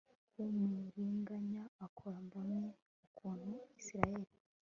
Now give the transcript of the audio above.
w umuriganya akora mbonye ukuntu isirayeli